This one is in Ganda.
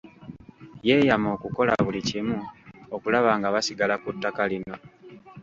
Yeeyama okukola buli kimu okulaba nga basigala ku ttaka lino.